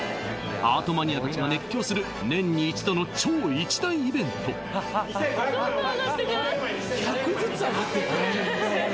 アートマニアたちが熱狂する年に一度の超一大イベント２５００万円２６００万円